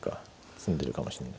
詰んでるかもしれない。